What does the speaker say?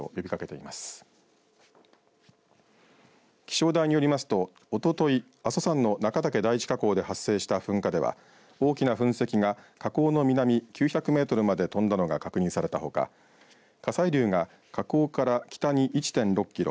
地方気象台によりますとおととい阿蘇山の中岳第一火口で発生した噴火では大きな噴石が、火口の南９００メートルまで飛んだのが確認されたほか火砕流が火口から北に１．６キロ